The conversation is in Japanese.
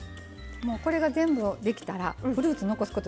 これが全部できたらフルーツを残すこと